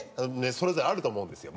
それぞれあると思うんですよ。